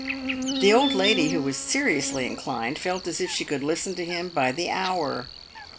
The old lady — who was seriously inclined — felt as if she could listen to him by the hour.